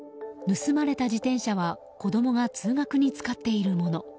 盗まれた自転車は子供が通学に使っているもの。